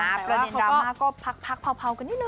แต่ว่าเรื่องรามาก็พักเผากันนิดนึง